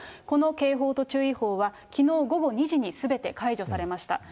この警報と注意報は、きのう午後２時にすべて解除されました。